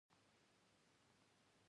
موږ په وښو کې څنګ وهلي او پراته.